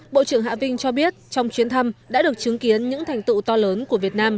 bộ trưởng hạ vinh cho biết trong chuyến thăm đã được chứng kiến những thành tựu to lớn của việt nam